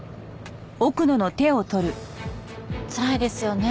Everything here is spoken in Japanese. つらいですよね